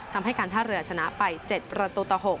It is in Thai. ทำให้การท่าเรือชนะไป๗ประตูต่อ๖